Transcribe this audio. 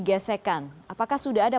gesekan apakah sudah ada